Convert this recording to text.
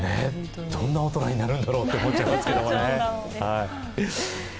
どんな大人になるんだろうと思っちゃいますけどね。